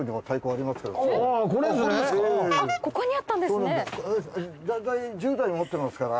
あっここにあったんですね。